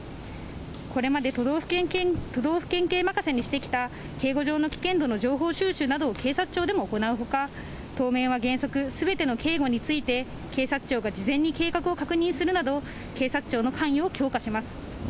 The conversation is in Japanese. これまで都道府県警任せにしてきた警護上の危険度の情報収集など警察庁でも行うほか、当面は原則、すべての警護について警察庁が事前に計画を確認するなど、警察庁の関与を強化します。